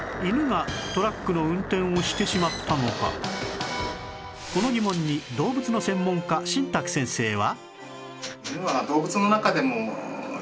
ではこの疑問に動物の専門家新宅先生は